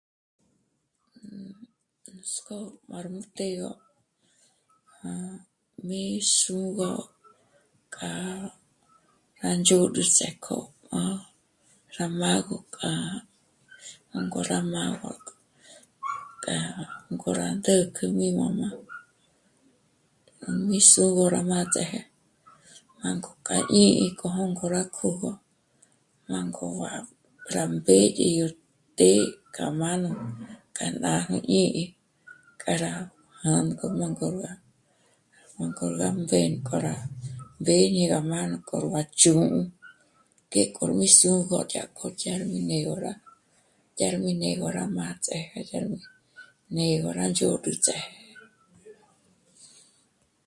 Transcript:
Nuts'k'ó már mú té'egö m'á... mé'e xûgö k'a ná ndzhôd'ü seco rá mágö k'a... rá ngó rá mágö k'a... ngó rá ndä̂jk'ä mí mä̌jm'a, rá mí sú'u rá má ts'áje, jângo kja jñí'i k'o jôngo rá kö́gö rá ngôra rá mbédye yó té'e k'a má nú k'a nájnú jñí'i kjâra jângo má ngórga o kórga mbénko rá mbèñe rá mánú k'or bachjū́'ū ngéko mí sûrgo dyá kjo kjyârmi né'egö rá, dyár mí né'ergo rá má ts'éje dyá nú... né'e ngó rá ndzhôgü ts'áje